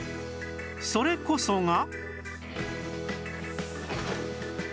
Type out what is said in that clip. それこそが